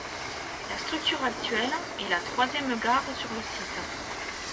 La structure actuelle est la troisième gare sur le site.